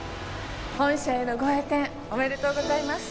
本社へのご栄転おめでとうございます。